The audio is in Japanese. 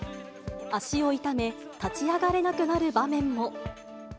足を痛め、立ち上がれなくなる場面も。